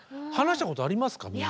話したことありますか？